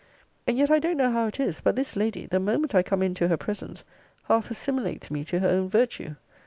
And yet I don't know how it is, but this lady, the moment I come into her presence, half assimilates me to her own virtue.